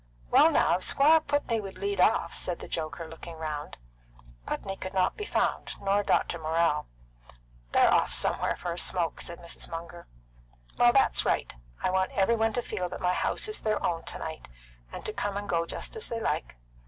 "Well, now, if Squire Putney would lead off," said the joker, looking round. Putney could not be found, nor Dr. Morrell. "They're off somewhere for a smoke," said Mrs. Munger. "Well, that's right. I want everybody to feel that my house is their own to night, and to come and go just as they like.